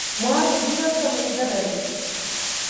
Мојата другарка ме изневери.